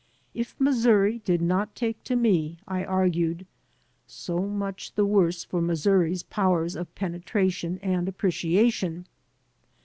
If Missouri did not take to me, I argued, so much the worse for Missouri's powers of penetration and appreciation.